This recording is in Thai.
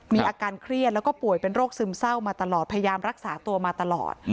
มีอาการเครียดแล้วก็ป่วยเป็นโรคซึมเศร้ามาตลอดพยายามรักษาตัวมาตลอด